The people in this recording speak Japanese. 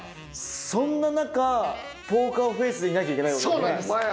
そんな中ポーカーフェイスでいなきゃいけないわけですよね。